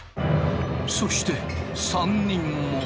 そして３人も。